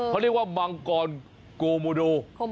เขาเรียกว่ามังกรโกโมโด